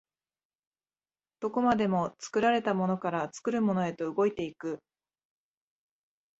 どこまでも作られたものから作るものへと動いて行く。